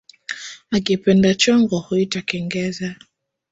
Akipenda chongo huita kengeza